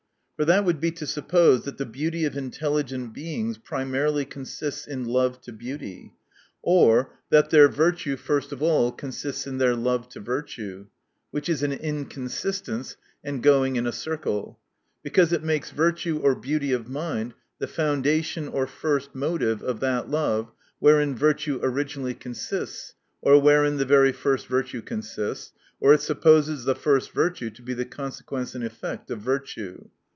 For that would be to suppose, that the beauty of intelligent beings primarily consists in love to beauty ; or, that their virtue first of all consists in their love to virtue. Which is an inconsistence, and going in a circle. Because it makes virtue, or beauty of mind, the foundation or first motive of that love wherein virtue originally consists, or wherein the very first virtue consists ; or, it supposes the first virtue to be the consequence and effect of virtue.